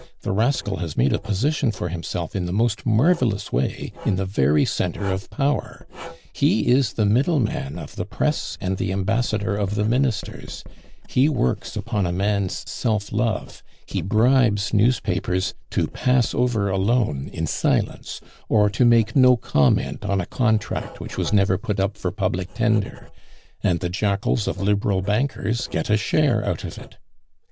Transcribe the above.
The rascal has made a position for himself in the most marvelous way in the very centre of power; he is the middle man of the press and the ambassador of the Ministers; he works upon a man's self love; he bribes newspapers to pass over a loan in silence, or to make no comment on a contract which was never put up for public tender, and the jackals of Liberal bankers get a share out of it.